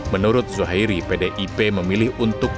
menurut zuhairi pdip memilih untuk